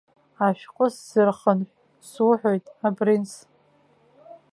Ашәҟәы сзырхынҳә, суҳәоит, апринц!